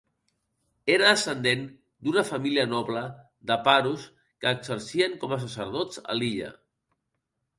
Era descendent d'una família noble de Paros que exercien com a sacerdots a l'illa.